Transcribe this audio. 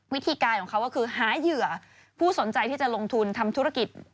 วิธีการของเขาก็คือหาเหยื่อผู้สนใจที่จะลงทุนทำธุรกิจ